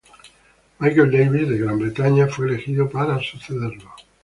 Michael Davies, de Gran Bretaña, fue elegido para sucederlo.